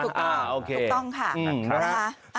ถูกต้องค่ะ